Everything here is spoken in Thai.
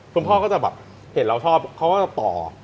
พ่อก็จะแบบเห็นเราชอบเขาก็จะต่อ